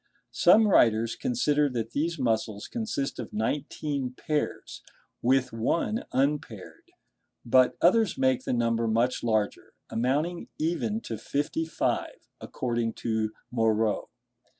Some writers consider that these muscles consist of nineteen pairs, with one unpaired; but others make the number much larger, amounting even to fifty five, according to Moreau.